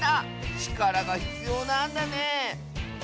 ちからがひつようなんだね